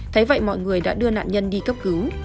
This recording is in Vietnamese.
thấy vậy mọi người đã đưa nạn nhân đi cấp cứu